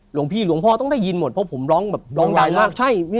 หลวงพี่หลวงพ่อต้องได้ยินหมดเพราะผมร้องแบบร้องดังมาก